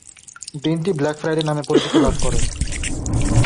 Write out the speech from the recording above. দিনটি "black Friday" নামে পরিচিতি লাভ করে।